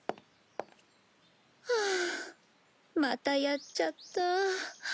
はあまたやっちゃった。